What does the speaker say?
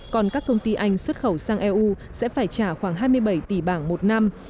còn các công ty anh xuất khẩu sang eu sẽ phải trả khoảng hai mươi bảy tỷ bảng một năm